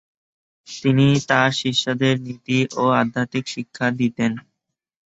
তিনি তার শিষ্যদের নীতি ও আধ্যাত্মিক শিক্ষা দিতেন।